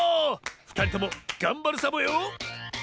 ふたりともがんばるサボよ。